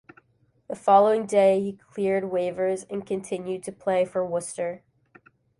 The following day, he cleared waivers and continued to play for Worcester.